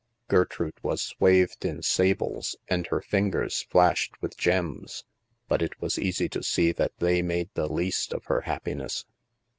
Gertrude was swathed in sables, and her fingers flashed with gems; but it was easy to see that they made the least of her happiness.